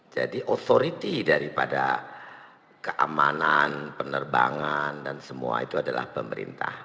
jadi authority daripada keamanan penerbangan dan semua itu adalah pemerintah